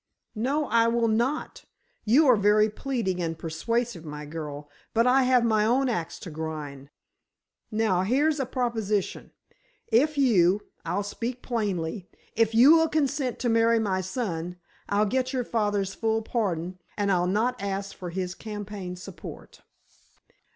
"No; I will not. You are very pleading and persuasive, my girl, but I have my own ax to grind. Now, here's a proposition. If you—I'll speak plainly—if you will consent to marry my son, I'll get your father's full pardon, and I'll not ask for his campaign support."